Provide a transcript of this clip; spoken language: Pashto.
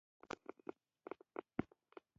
ژبه د افهام او تفهیم وسیله ده.